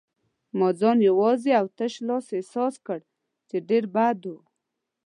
ما ځان یوازې او تش لاس احساس کړ، چې ډېر بد و.